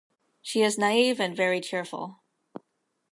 She is naive and very cheerful.